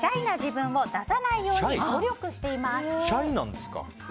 シャイなんですか？